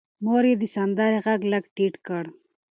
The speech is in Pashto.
مور یې د سندرې غږ لږ څه ټیټ کړ.